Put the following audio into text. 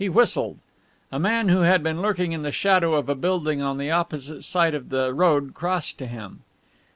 He whistled. A man who had been lurking in the shadow of a building on the opposite side of the road crossed to him.